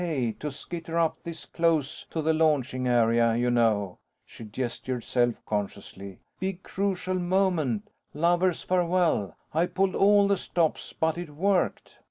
K. to skitter up this close to the Launching Area. You know" she gestured self consciously "big crucial moment ... lovers' farewell ... I pulled all the stops, but it worked."